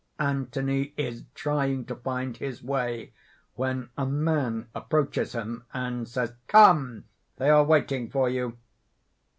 _ Anthony is trying to find his way, when a man approaches him, and says: "Come! they are waiting for you."